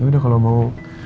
gue udah kalau mau